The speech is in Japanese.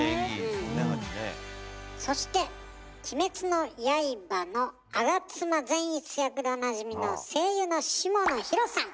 そして「鬼滅の刃」の我妻善逸役でおなじみの声優の下野紘さん。